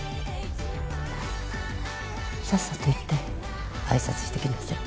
さっさと行って挨拶してきなさい。